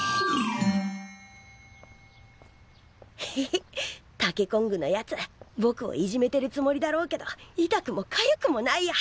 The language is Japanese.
ヘヘヘッタケコングのやつぼくをいじめてるつもりだろうけど痛くもかゆくもないや。